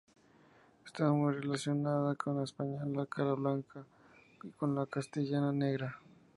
Está muy relacionada con la española cara blanca y con la castellana negra.